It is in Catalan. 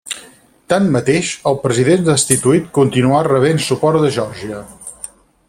Tanmateix, el president destituït continuà rebent suport de Geòrgia.